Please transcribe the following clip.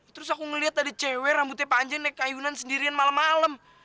terus aku ngeliat ada cewe rambutnya panjang naik kayunan sendirian malem malem